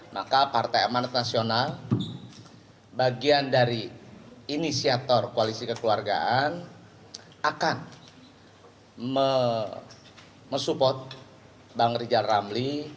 maka partai amanat nasional bagian dari inisiator koalisi kekeluargaan akan mensupport bang rijal ramli